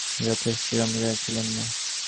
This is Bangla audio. তিনি যথেষ্ট সম্পদশালী ছিলেন না।